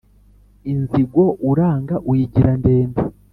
inzigo uranga uyigira ndende